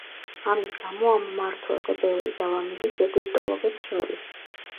ამის გამო ამ მმართველზე ბევრი დავა მიდის ეგვიპტოლოგებს შორის.